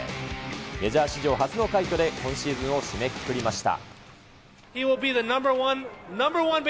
メジャー史上初の快挙で、今シーズンを締めくくりました。